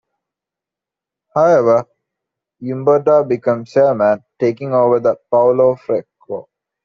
However, Umberto became chairman, taking over from Paolo Fresco.